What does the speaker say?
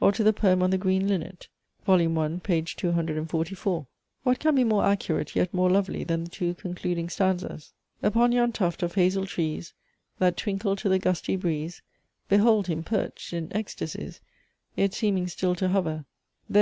Or to the poem on THE GREEN LINNET, vol. I. page 244. What can be more accurate yet more lovely than the two concluding stanzas? "Upon yon tuft of hazel trees, That twinkle to the gusty breeze, Behold him perched in ecstasies, Yet seeming still to hover; There!